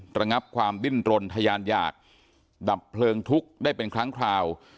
ระงับความดิ้นรนทะยานอยากดับเพลิงทุกข์ได้เป็นครั้งคราว